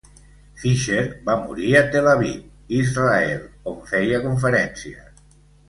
Fisher va morir a Tel Aviv, Israel, on feia conferències.